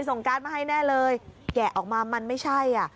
การ์ดมาให้แน่เลยแกะออกมามันไม่ใช่อ่ะ